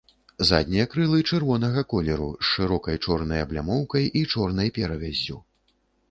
Заднія крылы чырвонага колеру, з шырокай чорнай аблямоўкай і чорнай перавяззю.